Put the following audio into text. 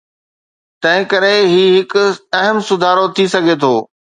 تنهنڪري هي هڪ اهم سڌارو ٿي سگهي ٿو.